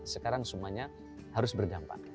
sekarang semuanya harus berdampak